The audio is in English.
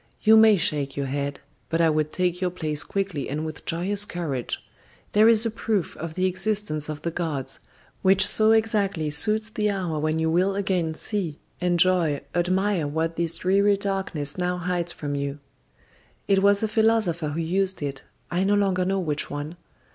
You may shake your head, but I would take your place quickly and with joyous courage. There is a proof of the existence of the gods, which so exactly suits the hour when you will again see, enjoy, admire what this dreary darkness now hides from you. It was a philosopher who used it; I no longer know which one.